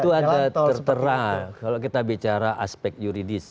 itu ada tertera kalau kita bicara aspek yuridis